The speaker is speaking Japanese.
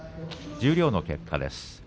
十両の結果です。